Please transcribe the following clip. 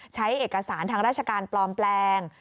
ใช้เอกสารทางราชการปลอมแปลง